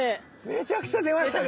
めちゃくちゃ出ましたね。